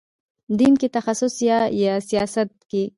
دین کې تخصص یا سیاست کې.